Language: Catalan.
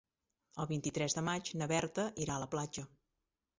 El vint-i-tres de maig na Berta irà a la platja.